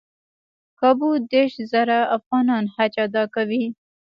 کابو دېرش زره مسلمانان حج ادا کوي.